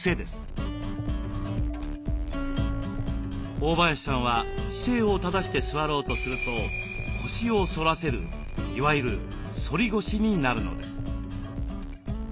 大林さんは姿勢を正して座ろうとすると腰を反らせるいわゆる「反り腰」になるのです。